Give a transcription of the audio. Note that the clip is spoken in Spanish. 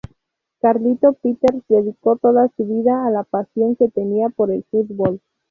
Carlito Peters dedicó toda su vida a la pasión que tenía por el fútbol.